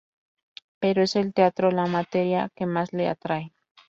Pero es el teatro la materia que más le atrae.